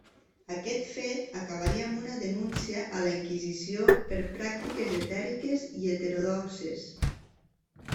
Aquest fet, acabaria amb una denúncia a la Inquisició per pràctiques herètiques i heterodoxes.